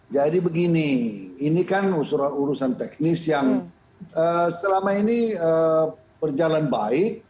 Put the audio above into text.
jadi begini ini kan urusan teknis yang selama ini berjalan baik